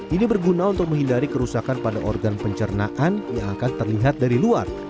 ini berguna untuk menghindari kerusakan pada organ pencernaan yang akan terlihat dari luar